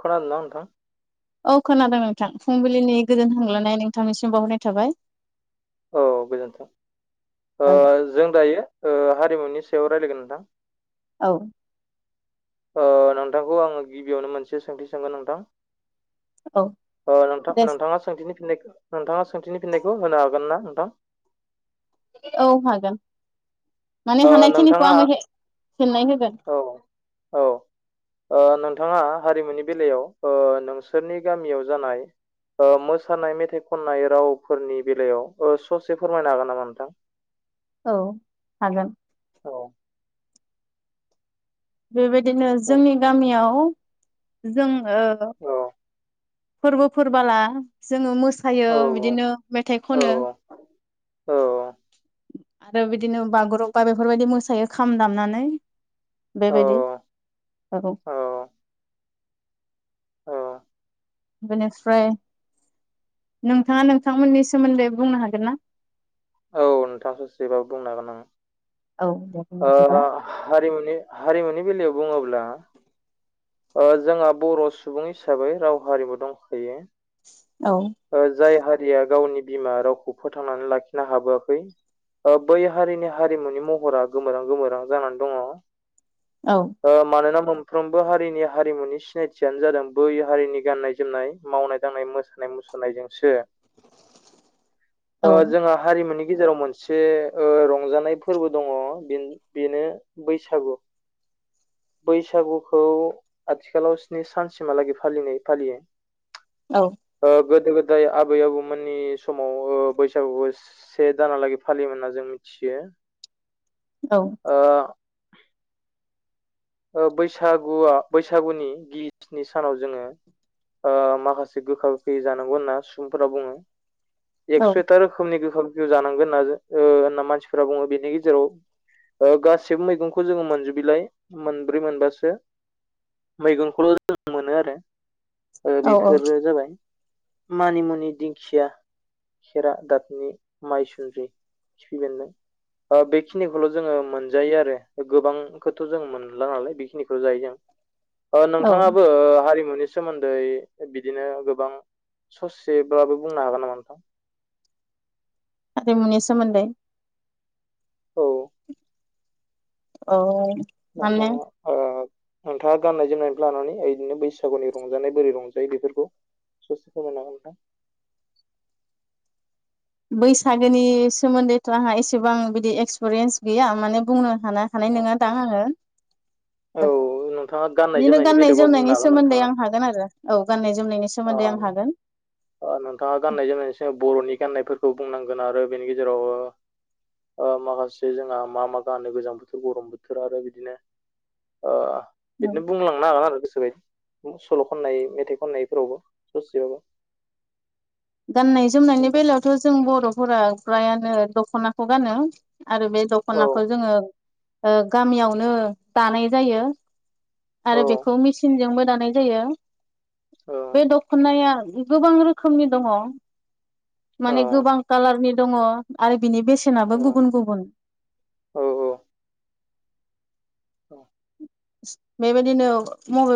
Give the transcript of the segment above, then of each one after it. खोनादों ना नोंथां? औ खोनादों नोंथां फुंबिलिनि गोजोन हामलायनाय नोंथांनिसिम बावहरनाय थाबाय। औ गोजोन्थों ओ औ जों दायो ओ हारिमुनि सायाव लायरायगोन‌ नोंथां औ। ओ नोंथांखौ आङो गिबियावनो मोनसे सोंथि सोंगोन नोंथां औ ओ नोंथां दे नोंथाङा सोंथिनि फिननाय नोंथाङा सोंथिनि फिननायखौ होनो हागोन ना नोंथां? औ हागोन। माने ओ हानायखिनिखौ नोंथाङा आङो फिननाय होगोन। औ औ ओ नोंथाङा हारिमुनि बेलायाव ओ नोंसोरनि गामियाव जानाय ओ मोसानायनि मेथाइ खननाय रावफोरनि बेलायाव ओ ससे फोरमायनो हागोन नामा नोंथां? औ हागोन। औ। बेबायदिनो औ जोंनि गामियाव जोङो औ फोरबोफोरबोला जोङो मोस सायो औ बिदिनो मेथाइ औ खनो औ आरो बिदिनो बागुरुम्बा बेफोरबायदि मोसायो खाम दामनानै बेबायदि औ हागौ। औ औ बेनिफ्राय नोंथाङा नोंथांमोननि सोमोन्दै बुंनो हागोन ना? औ नोंथां ससेबाबो बुंना होगोन आं। औ दे बिदिब्ला ओ हारिमुनि हारिमुनि बेलायाव बुङोब्ला ओ जोंहा बर' सुबुं हिसाबै राव हारिमु दंखायो औ ओ जाय हारिया गावनि बिमा रावखौ फोथांनानै लाखिनो हाबोआखै ओ बै हारिनि हारिमुनि महरा गोमोरहां गोमोरहां जानानै दङ औ ओ मानोना मोनफ्रोमबो हा हारिनि हारिमुनि सिनायथियानो जादों बै हारिनि गाननाय जोमनाय मावनाय दांनाय मोसानाय मुसुरनायजोंसो ओ जोंहा हारिमुनि गेजेराव मोनसे ओ रंजानाय फोरबो दङ बे बेनो बैसागु। [inaudible] बैसागुखौ आथिखालाव स्नि सानसिमहालागै फालिनाय फालियो। औ। ओ गोदो गोदाय आबै आबौमोननि समाव ओ बैसागुखौ से दानहालागै फालियोमोन होनना जों मिथि थियो। औ। ओ बैसागुआ बैसागुनि गिबि स्नि सानाव जोङो ओ माखासे गोखा गोखैै जानांगौ होनना सुबुंफोरा बुङो औ एकस‌' एकथा रोखोमनि गो खा गोखैखौ जानांगोन होनना जो ओ होनना मानसिफोरा बुङो बेनि गेजेराव ओ गासिबो मैगंखौ जोङो मोनजोबैलाय मोनब्रै मोनबासो मैगंखौल' जों मोनो आरो ओ औ औ बेफोरो जाबाय मानिमुनि दिंखिया। खेरा दफिनि माइसुन्द्रि खिफैबन्दों। ओ बेखिनिखौल' जोङो मोनजायो आरो गोबां खोथ' जों मोनला नालाय बेखिनिखौ' जायो जों ओ औ नोंथाङाबो ओ हारिमु नि सोमोन्दै बिदिनो गोबां ससेब्लाबो बुंनो हागोन नामा नोंथां। [unintelligible] मुनि सोमोन्दै। औ औ माने नोंथाङा ओ नोंथाङा गाननाय जोमनायनिफ्राय लानानै इदिनो बैसागुनि रंजानाय बोरै रंजायो बेफोरखौ ससे फोरमायना हो नों थां। [unintelligible] बैसागोनि सोमोन्दैथ' आंहा एसेबां बिदि एक्सपिरियेन्स गैया माने बुंनो हाना हानाय औ नङा दां आङो। औ ओ नोंथाङा गाननाय बिदिनो जोमनायनि गाननाय बेलायावबा बुंनो जोमनायनि हागोन सोमोन्दै नोंथाङा आं हागोन आरो औ गाननाय जोमनाय सोमोन्दै आं हागोन। ओ नोंथाङा गाननाय जोमनायनि सो बर'नि गान्नायफोरखौ बुंनांगोन आरो बेनि गेजेराव ओ‌ माखासे जोंहा मा-मा गानो गोजां बोथोर गरम बोथोर आरो बिदिनो ओ बिदिनो बुंलांनो हागोन आरो गोसोबायदि। सल' खननाय मेथाइ खननायफोरावबो ससेबाबो। गाननाय जोमनायनि नोंथां बेलायावथ' जों बर'फोरा फ्रायानो दख'नाखौ गानो। आरो बे औ दख'नाखौ जोङो ओ गामियावनो दानाय जायो। औ आरो बेखौ मेसिनजोंबो दानाय जायो औ बे दख'नाया गोबां रोखोमनि दङ। औ माने गोबां कालारनि दङ आरो बिनि औ बेसेनाबो गुबुन-गुबुन। [unintelligible] औ औ बेबायदिनो मबे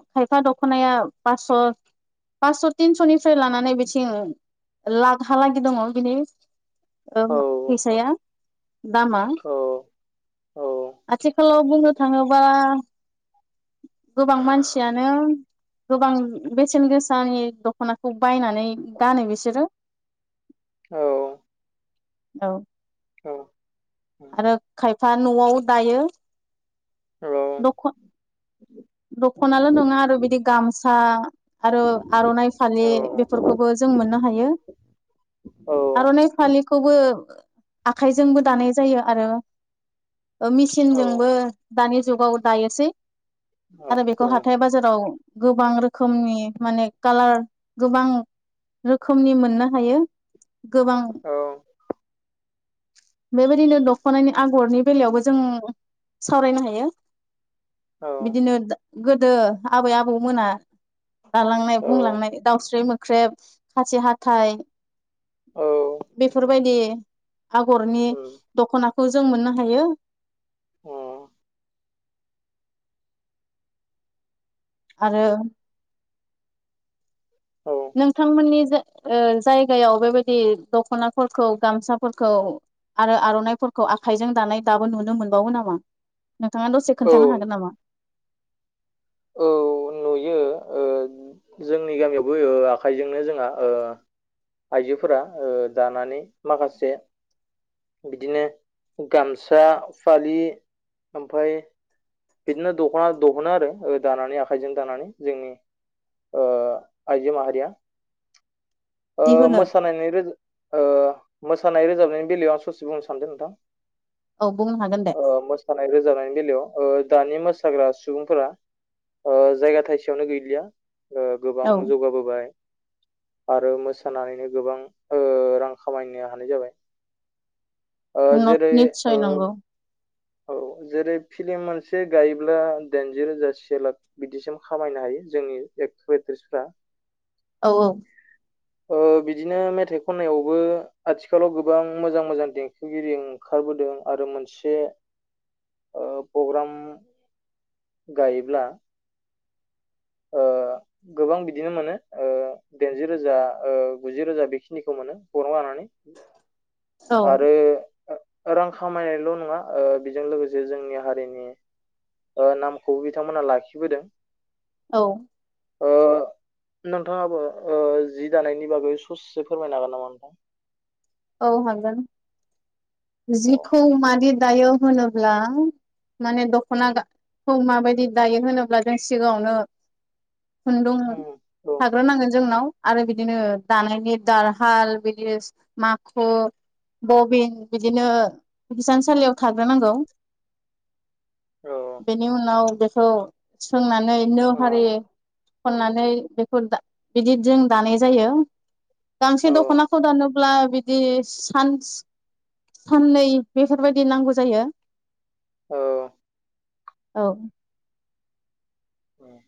खायफा दख'नाया पास्स'। पास्स' तिनस'निफ्राय लानानै बिथिं लागहालागि दङ बिनि ओ फैसाया दामा। औ आथिखालाव बुंनो थाङोबा गोबां मानसियानो गोबां बेसेन गोसानि दख'नाखौ बायनानै गानो बिसोरो। औ औ औ आरो खायफा न'आव दायो। दख दख'नाल' नङा आरो बिदि गामसा आरो आर'नाइ फालि बेफोरखौबो जों मोनो नो हायो। आर'नाइ फालिखौबो आखाइजोंबो दानाय जायो आरो ओ मेचिनजोंबो दानि जुगाव दायोसै। आरो बेखौ हाथाय बाजाराव गोबां रोखोमनि माने कालार गोबां रोखोमनि मोननो हायो गोबां बेबायदिनो दख'नानि आगरनि बेलायावबो जों सावरायनो हायो। बिदिनो गोदो आबै आबौ मोना। दालांनाय बुंलांनाय दाउस्रि मोख्रेब खासि हाथाइ। बेफोरबायदि। आगरनि दखनाखौ जों मोननो हायो। आरो औ नोंथांमोननि जाय ओ जायगायाव बेबायदि दखनाफोरखौ गामसाफोरखौ आरो आरनाइफोरखौ आखाइजों दानाय दाबो नुनो मोनबावो नामा नोंथाङा दसे औ खोन्थानो हागोन नामा औ नुयो ओ जोंनि गामियावबो ओ आखाइजोंनो जोंहा ओ आइजोफोरा ओ दानानै माखासे बिदिनो गामसा फालि ओमफाय बिदिनो दखना दहनो आरो दानानै आखाइजों दानानै जोंनि ओ आइजो माहारिया ओ दिहुनो मोसानायनि रोज ओ मोसानाय रोजाबनायनि बेलायाव आं ससे बुंनो सानदों नोंथां औ बुंनो हागोन दे ओ मोसानाय रोजाबनायनि बेलायाव ओ दानि मोसाग्रा सुबुंफोरा ओ जायगा थाइसेयावनो गैलिया ओ गोबां औ जौगाबोबाय आरो मोसानानैनो गोबां ओ रां खामायनो हानाय जाबाय। ओ जेरै ओ निस्सय नंगौ औ जेरै फिलिम मोनसे गायोब्ला दाइनजि रोजा से लाख बिदिसिम खामायनो हायो जोंनि एक्टर एक्ट्रिसफ्रा औ औ ओ बिदिनो मेथाइ खननायावबो आथिखालाव गोबां मोजां मोजां देंखोगिरि ओंखार ओंखारबोदों आरो मोनसे ओ पग्राम फालि गायोब्ला ओ [inaudible] गोबां बिदिनो मोनो ओ दाइनजि रोजा ओ गुजि रोजा बेखिनिखौ मोनो पग्राम गानानै औ आरो रां खामायनायल‌ नङा‌ ओ बेजों लोगोसे जोंनि हारिनि ओ नामखौबो बिथांमोना लाखिबोदों। औ ओ नोंथाङाबो ओ जि दानायनि बागै सससे फोरमायनो हागोन नामा नोंथां औ हागोन औ जिखौ मादि दायो होनोब्ला माने दखना गा‌ खौ माबायदि दायो होनोब्ला जों सिगाङावनो खुन्दुं औ औ थाग्रोनांगोन जोंनाव आरो बिदिनो दानायनि दारहाल बिदिस माखु बबिन बिदिनो हिसानसालियाव थाग्रोनांगोन बेनि उनाव बेखौ सोंनानै नो औ हारि खननानै बेखौ दा बिदि जों दानाय जायो गांसे औ दखनाखौ दानोब्ला बिदि सान्स साननै बेफोरबायदि नांगौ जायो औ औ बाह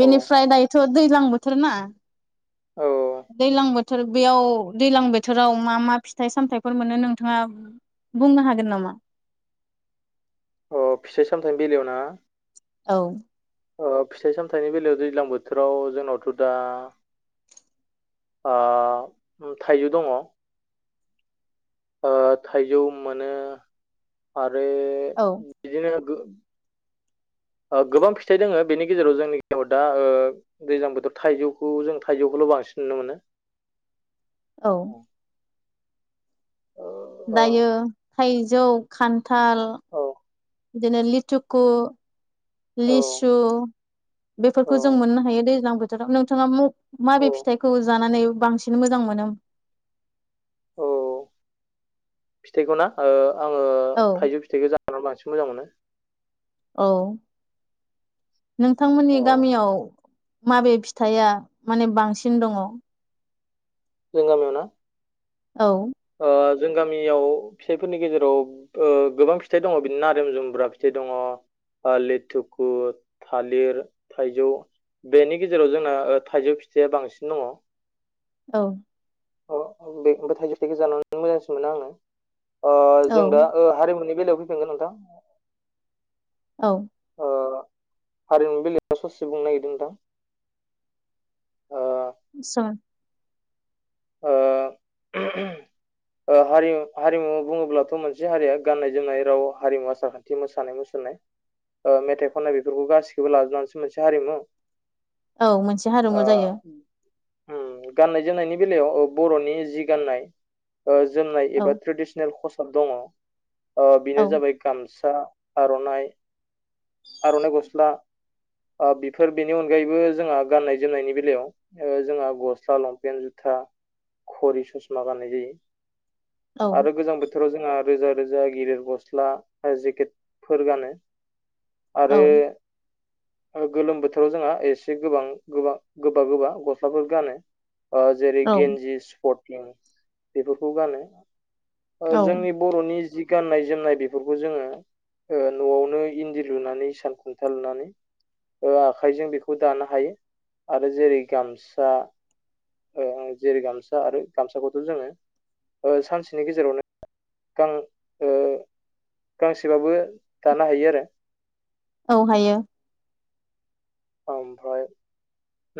औ दायोथ दैलां बोथोर ना औ दैलां बोथोर बेयाव दैलां बोथोराव मा मा फिथाइ सामथाइफोर मोनो नोंथाङा बुंनो हागोन नामा अ फिथाइ सामथायनि बेलायावना। औ ओ फिथाइ सामथाइनि बेलायाव दैज्लां बोथोराव जोंनावथ दा आ थाइजौ दङ ओ थाइजौ मोनो आरो औ बिदिनो [inaudible] ओ गोबां फिथाइ दोङो बेनि गेजेराव जोंनि गेजेराव दा ओ दैजां बोथोर थाइजौखौ जों थाइजौ बेखौल' बांसिन नुनो मोनो [unintelligible] औ औ दायो थाइजौ खान्थाल ओ बिदिनो लिटुकु ओ लिसु औ बेफोरखौ जों मोननो हायो दैज्लां बोथोराव नोंथाङा औ माबे फिथाइखौ जानानै बांसिन मोजां मोनो? औ फिथाइखौ ना आङो औ थाइजौ फिथाइखौ जानानै बांसिन मोजां मोनो औ नोंथांमोननि औ गामियाव माबे फिथाइया माने बांसिन दङ। जों गामियावना औ। ओ जों गामियाव फिथाइफोरनि गेजेराव ओ गोबां फिथाइ दङ बिदि नारेम जुम्ब्रा फिथाइ दङ लेथुखु थालिर थाइजौ बेनि गेजेराव जोंना ओ थाइजौ फिथाइया बांसिन दङ औ। ओ बे थाइजौ फिथाइखौ जानानो मोजांसिन मोनो आङो ओ जों औ दा हारिमुनि बेलायाव फैफिगोन नोंथां औ। ओ हारिमु बेलायाव ससे बुंनो नागिरदों नोंथां। ओ सों ओ ओ हारि हारिमु बुङोब्लाथ' मोनसे हारिया गाननाय जोमनाय राव हारिमु आसार खान्थि मोसानाय मुसुरनाय ओ मेथाइ खननाय बेफोरखौ गासैखौबो लाजोबनानैसो मोनसे हारिमु औ मोनसे हारिमु ओ जायो। उम गाननाय जोमनायनि बेलायाव बर'नि जि गान्नाय ओ जोमनाय औ एबा ट्रेडिसनेल खसाब दङ बेनो औ जाबाय गामस सा आर'नाइ आर'नाइ गस्ला आ बेफोर बेनि अनगायैबो जोंहा गाननाय जोमनायनि बेलायाव ओ जोंहा गस्ला लंपेन्ट जु फथा खरि ससमा गाननाय जायो औ आरो गोजां बोथोर बोथोराव जोंहा रोजा रोजा गिदिर गस्ला जेकेटफोर गानो। आरो औ [unintelligible] गोलोम बोथोराव जोंहा एसे गोबां गोबां गोबा गोबा गस्लाफोर गानो। ओ जेरै औ गेन्जि स्पथिं बेफोरखौ गानो जोंनि बर'नि जि गाननाय जोमनाय बेफोरखौ जोङो न'आवनो इन्दि लुनानै सान खुन्था लुनानै ओ आखाइजों बेखौ दानो हायो आरो जेरै गामसा ओ जेरै गामसा आरो गामसाखौथ' जोङो सानसेनि गेजेरावनो गां ओ गांसेबाबो दानो हायो आरो औ हायो। आमफाय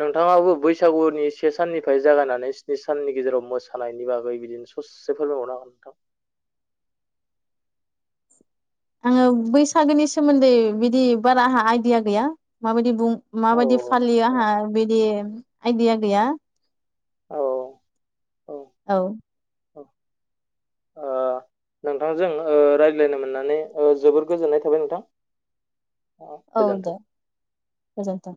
नोंथाङाबो बैसागुनि से साननिफ्राय जागायनानै स्नि साननि गेजेराव मोसानायनि बागै बिदिनो ससे फोरमायबावनो हागोन नोंथां। [unintelligible] आङो बैसागोनि सोमोन्दै बिदि बारा आंहा आइडिया गैया माबायदि बुं औ माबायदि फालियो औ आंहा बिदि आइदिया गैया। औ औ औ। औ ओ नोंथांजों रायज्लायनो मोननानै जोबोर गोजोननाय थाबाय नोंथां। औ गोजोन्थों दे गोजोनथों